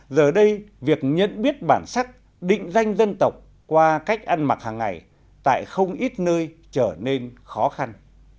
giờ đây việc nhận biết bản sắc định danh dân tộc qua cách ăn mặc hàng ngày tại không ít nơi trở nên khó khăn